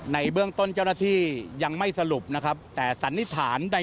ในเบื้องต้นเจ้าหน้าที่ยังไม่สรุปนะครับแต่สันนิษฐานใด